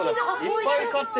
いっぱい買って。